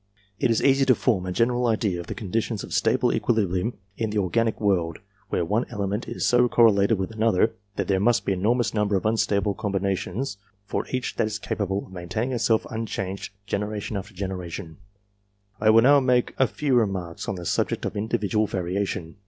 It is easy to form a general idea of the conditions of stable equilibrium in the organic world, where one element is so correlated with another that there must be an enor mous number of unstable combinations for each that is capable of maintaining itself unchanged, generation after generation. VARIATION I will now make a few remarks on the subject of in dividual variation.